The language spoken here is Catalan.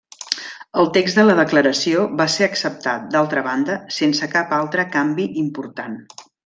El text de la Declaració va ser acceptat, d'altra banda, sense cap altre canvi important.